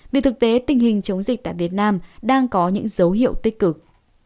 vì thực tế tình hình chống dịch tại việt nam đang có những dấu hiệu tích cực